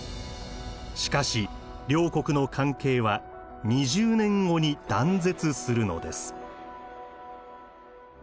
しかし両国の関係は２０年後に断絶するのです。